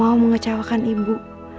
tapi aku gak mau mengecewakan ibu